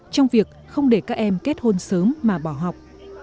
trong việc không để các em kết hôn sớm mà bỏ học